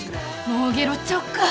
もうゲロっちゃおうか。